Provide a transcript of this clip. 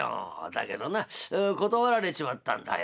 だけどな断られちまったんだよ」。